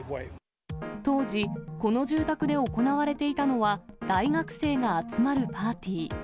当時、この住宅で行われていたのは、大学生が集まるパーティー。